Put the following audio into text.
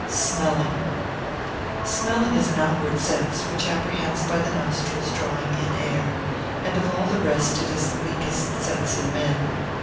Smelling.] Smelling is an outward sense, which apprehends by the nostrils drawing in air; and of all the rest it is the weakest sense in men.